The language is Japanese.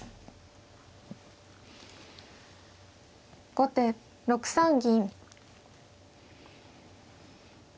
後手６三銀。